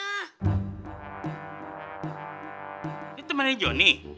ini temennya jonny